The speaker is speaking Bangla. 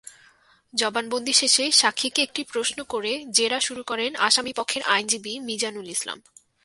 জবানবন্দি শেষে সাক্ষীকে একটি প্রশ্ন করে জেরা শুরু করেন আসামিপক্ষের আইনজীবী মিজানুল ইসলাম।